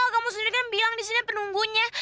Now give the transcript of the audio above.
kamu sendiri kan bilang disini penunggunya